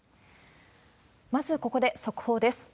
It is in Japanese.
まず、ここで速報です。